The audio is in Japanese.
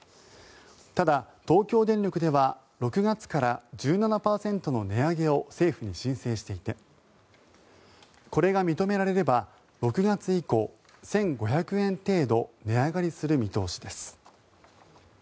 ただ、東京電力では６月から１７％の値上げを政府に申請していてこれが認められれば６月以降、１５００円程度値上がりする見通しです。